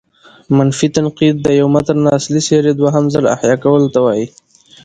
متني تنقید: د یو متن د اصلي څېرې دوهم ځل احیا کولو ته وايي.